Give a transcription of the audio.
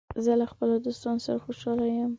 زه له خپلو دوستانو سره خوشاله یم.